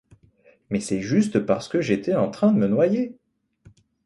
mais c'est juste parce que j'étais en train de me noyer.